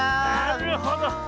なるほど。